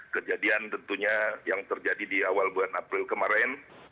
kejadian tentunya yang terjadi di awal bulan april kemarin